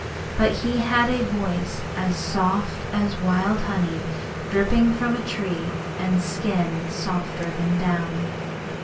But he had a voice as soft as wild honey dripping from a tree, and a skin softer than down.